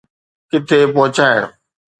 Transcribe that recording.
ڪٿي پهچائڻ.